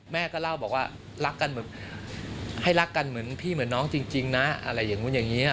แม่ก็เล่าบอกว่ารักกันแบบให้รักกันเหมือนพี่เหมือนน้องจริงนะอะไรอย่างนู้นอย่างนี้